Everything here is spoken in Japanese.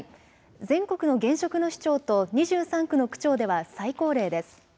全国の現職の市長と２３区の区長では最高齢です。